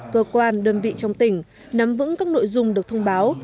cơ quan đơn vị trong tỉnh nắm vững các nội dung được thông báo